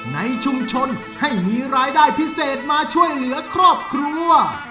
ในชุมชนให้มีรายได้พิเศษมาช่วยเหลือครอบครัว